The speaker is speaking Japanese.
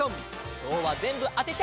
きょうはぜんぶあてちゃう！